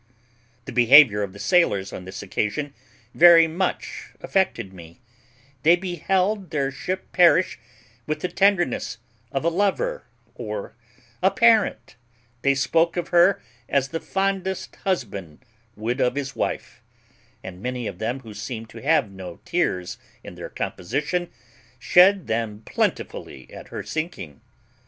The behaviour of the sailors on this occasion very much affected me; they beheld their ship perish with the tenderness of a lover or a parent; they spoke of her as the fondest husband would of his wife; and many of them, who seemed to have no tears in their composition, shed them plentifully at her sinking.